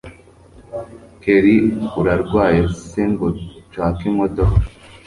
kelli! urarwaye se ngo nshake imodoka